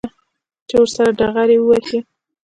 چې ورسره ډغرې ووهي.